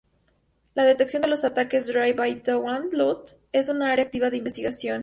La detección de los ataques Drive-by-Download es un área activa de investigación.